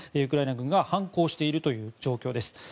ウクライナ軍が反抗しているという状況です。